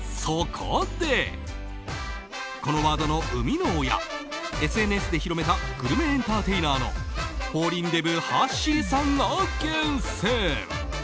このワードの生みの親ＳＮＳで広めたグルメエンターテイナーのフォーリンデブはっしーさんが厳選！